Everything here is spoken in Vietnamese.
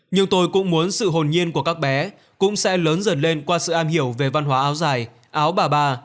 nhưng tôi cũng muốn sự hồn nhiên của các bé cũng sẽ lớn dần lên qua sự am hiểu về văn hóa áo dài áo bà bà